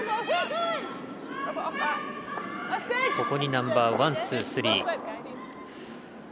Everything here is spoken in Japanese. ここにナンバーワン、ツー、スリー。